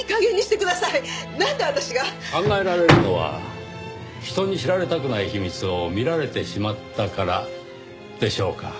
考えられるのは人に知られたくない秘密を見られてしまったからでしょうか。